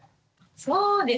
そうですね。